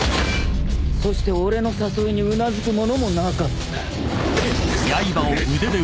そして俺の誘いにうなずく者もなかった。